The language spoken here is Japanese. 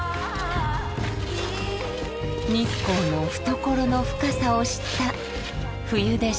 日光の懐の深さを知った冬でした。